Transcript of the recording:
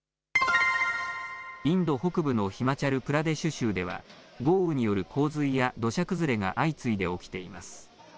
インド北部のヒマチャル・プラデシュ州では豪雨による洪水や土砂崩れが相次いで起きています。